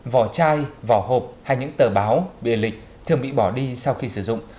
vỏ chai vỏ hộp hay những tờ báo bìa lịch thường bị bỏ đi sau khi sử dụng